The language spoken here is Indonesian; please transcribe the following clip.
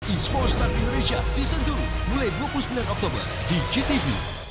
ismo star indonesia season dua mulai dua puluh sembilan oktober di gtv